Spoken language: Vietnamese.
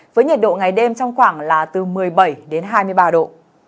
với nhiệt độ ngày đêm trong khoảng là từ một mươi bảy đến hai mươi ba độ